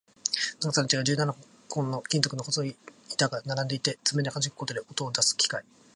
長さの違う十七本の金属の細い板が並んでいて、爪ではじくことで音を出す楽器